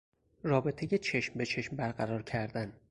رابطهی چشم به چشم برقرار کردن